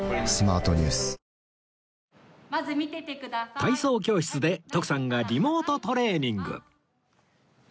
体操教室で徳さんがリモートトレーニング